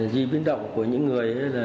di biến động của những người